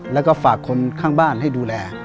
แล้วก็ฝากคนข้างบ้านให้ดูแล